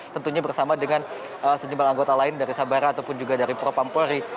tentunya bersama dengan sejumlah anggota lain dari sabara ataupun juga dari propampori